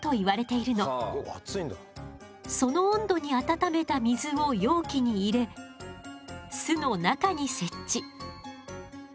その温度に温めた水を容器に入れ巣の中に設置。